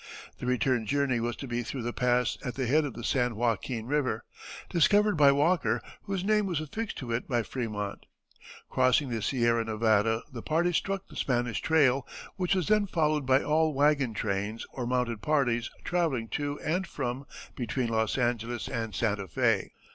The return journey was to be through the pass at the head of the San Joaquin River, discovered by Walker, whose name was affixed to it by Frémont. Crossing the Sierra Nevada the party struck the Spanish trail, which was then followed by all wagon trains or mounted parties travelling to and fro between Los Angeles and Santa Fé.